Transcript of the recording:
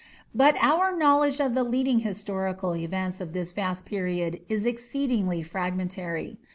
But our knowledge of the leading historical events of this vast period is exceedingly fragmentary.